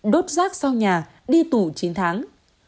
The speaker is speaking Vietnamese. đốt rác sau nhà đi tù chín tháng